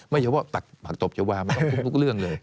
ไม่ใช่ว่าตักผักตบชาวามันต้องทุกเรื่องเลย